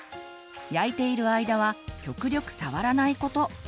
焼いている間は極力触らないこと。